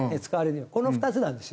この２つなんですよ